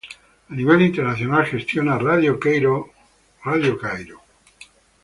A nivel internacional gestiona Radio Cairo World Service.